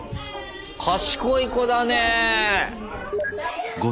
賢い子だね。